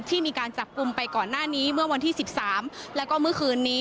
มีการจับกลุ่มไปก่อนหน้านี้เมื่อวันที่๑๓แล้วก็เมื่อคืนนี้